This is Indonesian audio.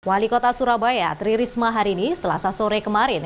wali kota surabaya tri risma hari ini selasa sore kemarin